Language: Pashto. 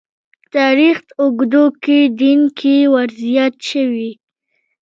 تاریخ اوږدو کې دین کې ورزیات شوي.